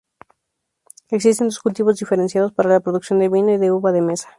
Existen dos cultivos diferenciados: para la producción de vino, y de uva de mesa.